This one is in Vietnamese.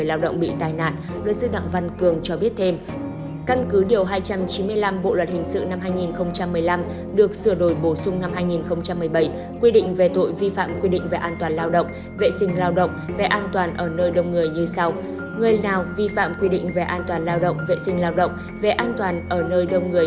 là người có trách nhiệm về an toàn lao động vệ sinh lao động về an toàn ở nơi đông người